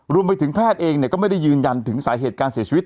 รวมไปถึงแพทย์เองก็ไม่ได้ยืนยันถึงสาเหตุการเสียชีวิต